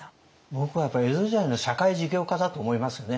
僕はやっぱり江戸時代の社会事業家だと思いますね。